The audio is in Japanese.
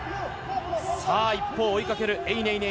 一方追いかけるエイ・ネイネイ。